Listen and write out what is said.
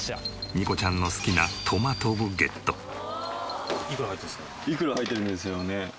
にこちゃんの好きないくら入ってるんでしょうね。